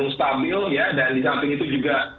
stabil ya dan disamping itu juga